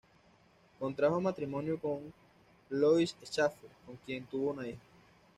Contrajo matrimonio con Louise Schaeffer, con quien tuvo una hija.